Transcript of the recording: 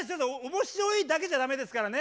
面白いだけじゃ駄目ですからね。